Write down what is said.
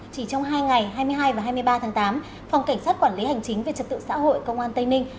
chỉ trong hai ngày hai mươi hai và hai mươi ba tháng tám phòng cảnh sát quản lý hành chính về trật tự xã hội công an tây ninh